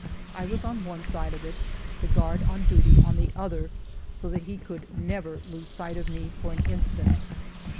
I was on one side of it, the guard on duty on the other, so that he could never lose sight of me for an instant.